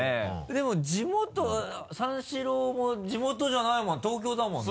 でも地元三四郎も地元じゃない東京だもんね？